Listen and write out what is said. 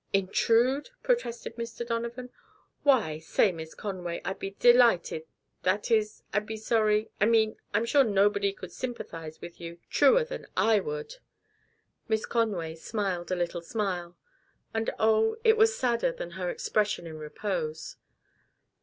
"Intrude?" protested Mr. Donovan. "Why, say, Miss Conway, I'd be delighted, that is, I'd be sorry I mean I'm sure nobody could sympathize with you truer than I would." Miss Conway smiled a little smile. And oh, it was sadder than her expression in repose.